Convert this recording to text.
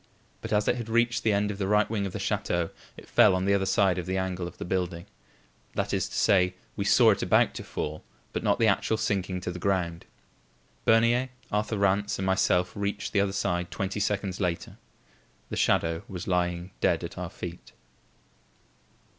But as it had reached the end of the right wing of the chateau, it fell on the other side of the angle of the building; that is to say, we saw it about to fall, but not the actual sinking to the ground. Bernier, Arthur Rance and myself reached the other side twenty seconds later. The shadow was lying dead at our feet.